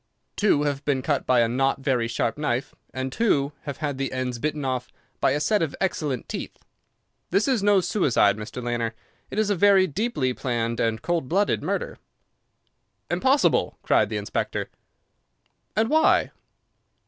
"Two have been cut by a not very sharp knife, and two have had the ends bitten off by a set of excellent teeth. This is no suicide, Mr. Lanner. It is a very deeply planned and cold blooded murder." "Impossible!" cried the inspector. "And why?"